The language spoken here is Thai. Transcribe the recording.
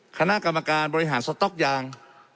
คณะกรรมการบริหารสต๊อกยาง